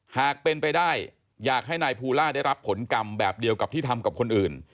หากเป็นไปได้อยากให้นายภูล่าได้รับผลกรรมแบบเดียวกับที่ทำกับคนอื่น